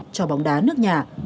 cho bóng đá nước nhà